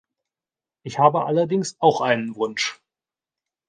Ich habe allerdings auch einen Wunsch.